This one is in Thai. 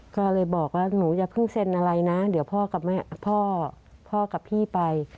ก็เลยบอกว่าหนูจะเพิ่งเซ็นอะไรนะเดี๋ยวพ่อกับพี่ไป